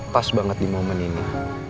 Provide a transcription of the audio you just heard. pas banget di momen ini